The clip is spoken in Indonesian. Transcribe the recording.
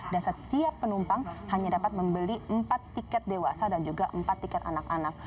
dan setiap penumpang hanya dapat membeli empat tiket dewasa dan juga empat tiket anak anak